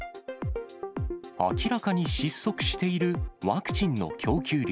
明らかに失速しているワクチンの供給量。